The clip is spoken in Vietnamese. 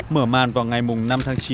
mở màn vào ngày năm tháng chín